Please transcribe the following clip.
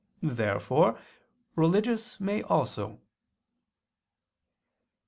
Therefore religious may also.